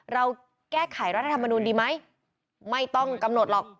เราแก้ไขรัฐธรรมนูลดีไหมไม่ต้องกำหนดหรอก